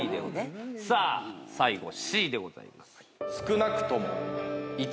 最後Ｃでございます。